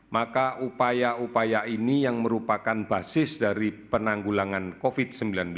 maka upaya upaya ini yang merupakan basis dari penanggulangan covid sembilan belas